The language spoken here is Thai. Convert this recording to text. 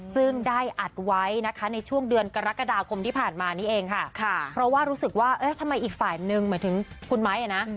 ซึ่งได้อัดไว้นะคะในช่วงเดือนกรกฎาคมที่ผ่านมานี้เองค่ะเพราะว่ารู้สึกว่าทำไมอีกฝ่ายนึงหมายถึงคุณไม้อ่ะนะ